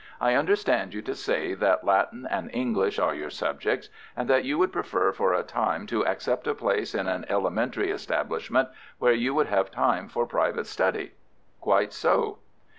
I understand you to say that Latin and English are your subjects, and that you would prefer for a time to accept a place in an elementary establishment, where you would have time for private study?" "Quite so."